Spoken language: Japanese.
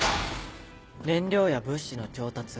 燃料や物資の調達